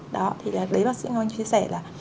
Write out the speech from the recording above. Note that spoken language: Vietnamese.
đấy là đấy bác sĩ ngọc anh chia sẻ là